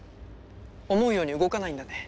思うように動かないんだね。